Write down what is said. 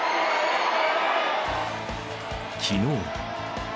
きのう。